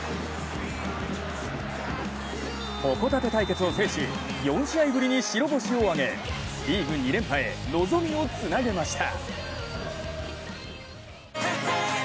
ホコタテ対決を制し、４試合ぶりに白星を挙げリーグ２連覇へ、望みをつなげました。